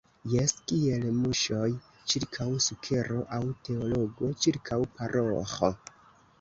Jes, kiel muŝoj ĉirkaŭ sukero aŭ teologo ĉirkaŭ paroĥo!